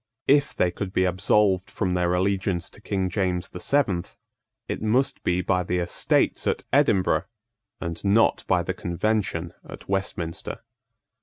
If they could be absolved from their allegiance to King James the Seventh, it must be by the Estates at Edinburgh, and not by the Convention at Westminster.